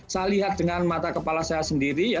saya lihat dengan mata kepala saya sendiri